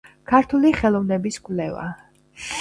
ქართული ხელოვნების კვლევა.